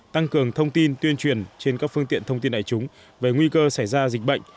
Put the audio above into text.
tăng cường thông tin tuyên truyền trên các phương tiện thông tin đại chúng về nguy cơ xảy ra dịch bệnh